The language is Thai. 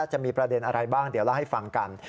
จะมีประเด็นอะไรบ้างเดี๋ยวเล่าให้ฟังกัน